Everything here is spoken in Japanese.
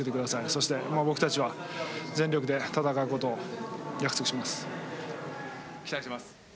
そして僕たちは全力で戦うことを約束します。